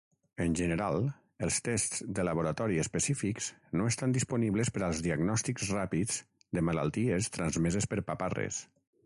En general, els tests de laboratori específics no estan disponibles per als diagnòstics ràpids de malalties transmeses per paparres.